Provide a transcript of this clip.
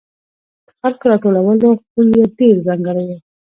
د خلکو راټولولو خوی یې ډېر ځانګړی و.